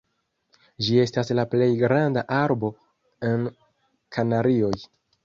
Ĝi estas la plej granda arbo en Kanarioj.